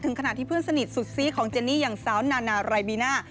ขณะที่เพื่อนสนิทสุดซีของเจนี่อย่างสาวนานารายบีน่า